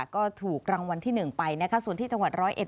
ก็ถูกรางวัลที่๑ไปนะคะส่วนที่จังหวัดร้อยเอ็ด